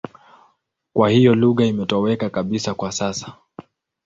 Kwa hiyo lugha imetoweka kabisa kwa sasa.